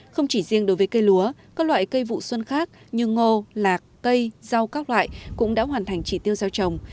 không chỉ riêng đối với cây lúa các loại cây vụ xuân khác như ngô lạc cây rau các loại cũng đã hoàn thành chỉ tiêu gieo trồng